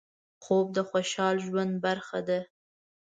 خوب د خوشحال ژوند برخه ده